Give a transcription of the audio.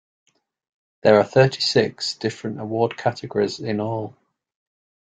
There are thirty-six different award categories in all.